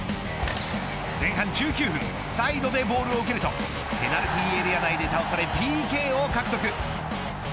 前半１９分サイドでボールを受けるとペナルティーエリア内で倒されＰＫを獲得。